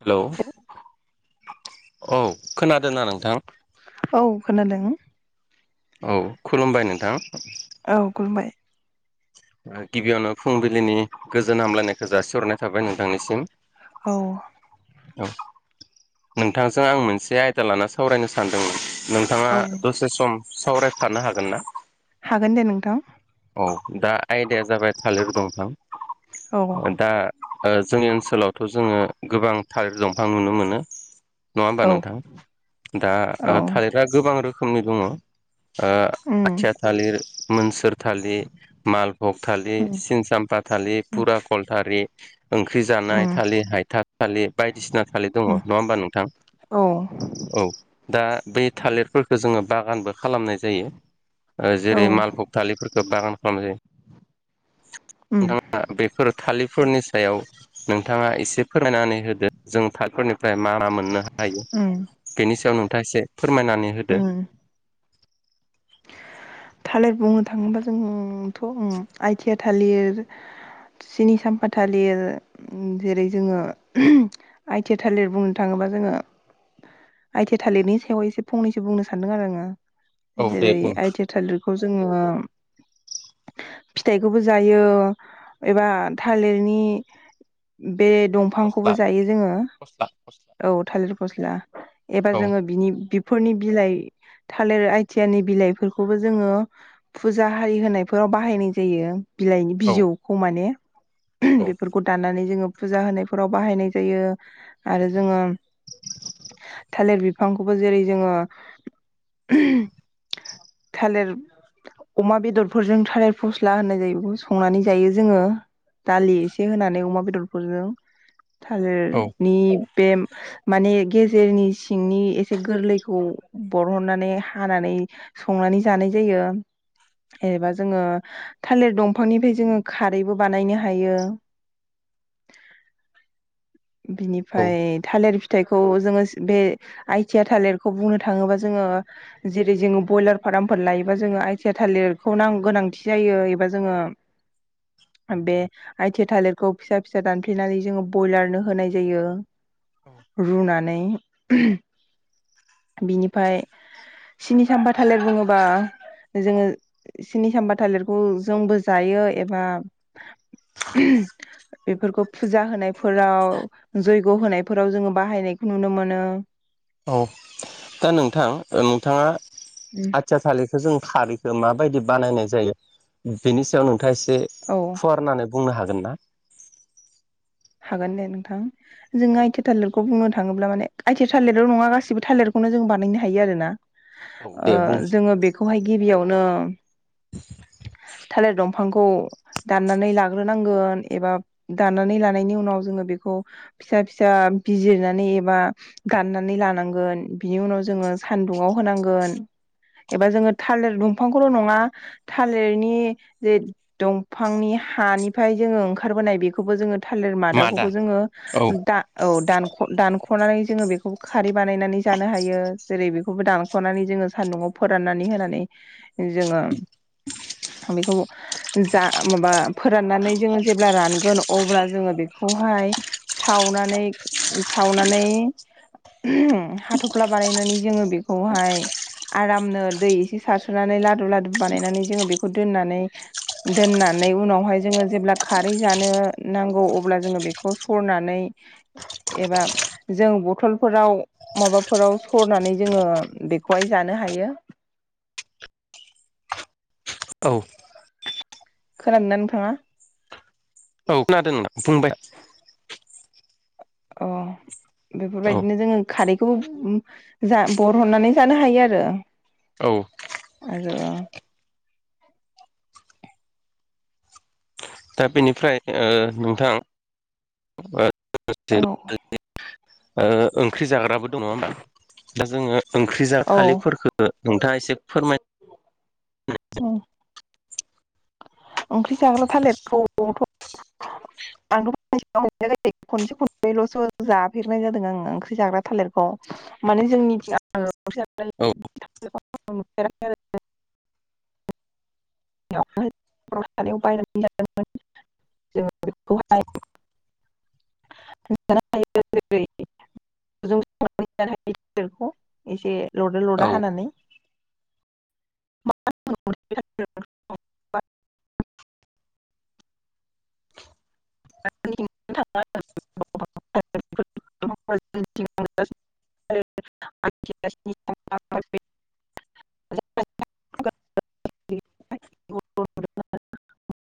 Hello औ खोनादोंना नोंथां? औ खोनादों। औ खुलुमबाय नोंथां। औ खुलुमबाय गिबियावनो फुंबिलिनि गोजोन हामलायनायखौ जासि हरनाय थाबाय नोंथांनिसिम औ औ नोंथांजों आं मोनसे आयदा लाना सावरायनो सानदोंमोन। नोंथाङा औ दसे सम सावरायफानो हागोन ना? हागोन दे नोंथां। औ दा आयदाया जाबाय थालिर दंफां औ दा ओ जोंनि ओनसोलावथ' जोङो गोबां थालिर दंफां नुनो मोनो। नङा होमबा औ नोंथां! दा औ थालिरा गोबां रोखोमनि दङ ओ उम आथिया थालिर मोनसोर थालिर मालभग थालिर उम सिनसामफा थालिर उम फुराकलथालि ओंख्रि जानाय थालिर, हायथा थालिर बायदिसिना थालिर दङ उम नङा होमबा नोंथां? औ औ दा बै थालिरफोरखो जोङो बागानबो खालामनाय जायो औ जेरै- मालबग बागान खालाम जायो। उम नोंथाङा बेफोर थालिरफोरनि सायाव नोंथाङा एसे फोरमायनानै होदो जों थालिफोरनिफ्राय मा मा मोननो हायो? उम बेनि सायाव नोंथाङा एसे फोरमायनानै होदो। उम थालिर बुंनो थाङोब्ला जोंथ' आइथिया थालिर सिनि साम्फा थालिर जेरै- जोङो आइथि थालिर बुंनो थाङोब्ला बा जोङो आइथिया थालिरनि सायाव एसे फंनैसो बुंनो सानदों आरो आङो‌। औ दे जेरै बुं -आइथिया थालिरखौ जोङो फिथाइखौबो जायो एबा थालिरनि बे फस्ला दंफांखौबो जायो जोङो। फस्ला फस्ला औ थालिर फस्ला एबार औ जोङो बिनि बि फोरनि बिलाइ थालिर आइथियानि बिलाइफोरखौबो जोङो फुजा हारि होनायफोराव बाहायनाय जायो बिलाइनि औ बिजौखौ माने औ बेफोरखौ दाननानै जोङो फुजा होनायफोराव बाहायनाय जायो आरो जोङो थालिर बिफांखौबो जेरै जोङो थालिर अमा बेदरफोरजों थालिर फस्ला होननाय जायो बेखौ संनानै जायो जोङो दालि एसे होनानै अमा बेदरफोरजों औ थालिरनि बे माने गेजेरनि सिंनि एसे गोरलैखौ बरहननानै हानानै संनानै जानाय जायो जेनेबा जोङो थालिर दंफांनिफ्राय जोङो खारैबो बानायनो हायो [inaudible] औ बिनिफ्राय थालिर फिथाइखौ जोङो बे आइथिया थालिरखौ बुंनो थाङोबा जोङो जेरै जोङो ब्रयलार फार्मफोर लायोबा जोङो आइथिया थालिरखौ गोनांथि जायो एबा जोङो बे आथिया थालिरखौ फिसा फिसा दानफ्लेनानै जोङो ब्रयलारनो होनाय जायो रुनान नै बिनिफ्राय सिनिसामबा थालिर बुङोबा जोङो सिनि सामबा थालिरखौ जोंबो जायो एबा [inaudible] बेफोरखौ फुजा होनायफोराव जयग' होनायफोराव जोङो बाहायनायखौ नुनो मोनो औ दा नोंथां नोंथाङा आथिया थालिर जों खारैखौ माबायदि बानायनाय जायो बेनि सायाव नोंथाङा एसे औ फुवारनानै बुंनो हागोन ना हागोन दे नोंथां जोंङो औ आइथि थालिरखौ बुंनो थाङोब्ला माने आइथि थालेेरिल नङा गाबं थालेटखौनो जों बानायनो हायो आरो ना औ ओ दे बुं जोङो बेखौहाय गिबियावनो थालिर दंफां बिफांखौ दाननानै लाग्रोनांगोन एबा दाननानै ला नायनि उनाव जोङो बेखौ फिसा फिसा बिजिरनानै एबा दाननानै लानांगोन बिनि उनाव जोङो सान्दुङाव होनांगोन एबा जोङो थालिर दंफांखौल' नङा थालिरनि जे दंफांनि हानिफ्राय जोङो ओंखारबोनाय बेखौबो जोङो थालिर मादा मादाखौबो जोङो औ औ दान दान' ख'नानै जोङो बेखौ खारै बानायनानै जानो हायो जेरै बेखौबो दानख'नानै जोङो सान्दुंङआव फोराननानै होनानै जोङो बेखौ जा माबा फोराननानै जोङो जेब्ला रानगोन अब्ला जोङो बेखौहाय सावनानै सावनानै हाथ'फ्ला बानायनानै जोङो बेखौहाय आरामनो दै एसे सारसोनानै लादु लादु बानायनानै जोङो बेखौ दोननानै दोननानै उनावहाय जोङो जेब्ला खारै जानो नांगौ अब्ला जोङो बेखौ सरनानै एबा जों बथलफोराव माबाफोराव सरनानै जोङो बेखौहाय जानो हायो [unintelligible] खोनादोंना नोंथाङा औ खोनादोंना बुंबाय अ औ बेफोरबायदिनो जोङो खारैखौबो जा बरहननानै जानो हायो आरो औ आरो दा बेनिफ्राय ओ नोंथां आरो [unintelligible] ओंख्रि जाग्राबो दङ नङा होमबा दा जोङो ओंख्रि जा औ थालिरफोरखो नोंथाङा एसे फोरमाय औ ओंख्रि जाग्रा थालिर थ' [inaudible] आंथ' मोन ज खनसे खनबैल'सो जाफेरनाय जादों आङो ओंख्रि जाग्रा थालिरखौ माने जोंनिथिं आरो [unintelligible] औ [unintelligible] [inaudible] [unintelligible] [unintelligible] एसे लदो लदा औ हानानै [unintelligible] [unintelligible] [unintelligible] [unintelligible] जरासुद्धा [unintelligible] [unintelligible]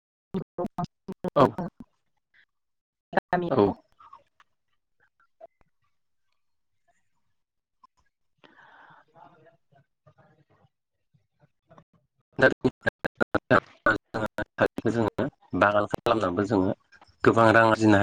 औ [unintelligible] नाही. औ [inaudible] जोङो बागान खालामनानैबो जोङो गोबां रां आरजिनाय